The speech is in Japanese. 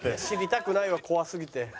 知りたくないわ怖すぎて。